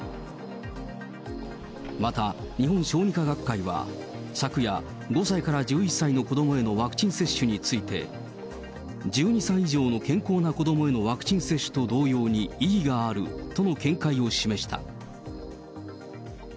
また、日本小児科学会は昨夜、５歳から１１歳の子どもへのワクチン接種について、１２歳以上の健康な子どもへのワクチン接種と同様に意義があるとの見解を示した。